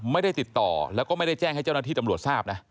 ไม่ได้ติดต่อแล้วก็ไม่ได้แจ้งให้เจ้าหน้าที่ตำรวจทราบนะ